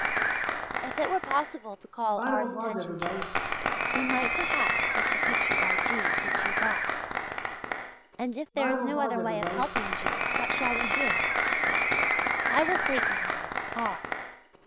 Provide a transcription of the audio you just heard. If it were possible to call R.'s attention to it, he might perhaps take the picture by G. which you bought; and if there is no other way of helping G. what shall we do? I will say to him (R.)